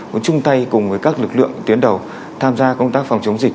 muốn chung tay cùng với các lực lượng tuyến đầu tham gia công tác phòng chống dịch